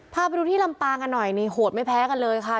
พาไปดูที่ลำปางกันหน่อยนี่โหดไม่แพ้กันเลยค่ะ